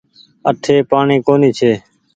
اٺي پآڻيٚ ڪونيٚ ڇي۔